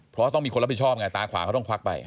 เพราะต้องมีคนรับผิดชอบไงตาขวาเขาต้องควักไป